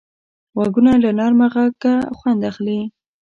غوږونه له نرمه غږه خوند اخلي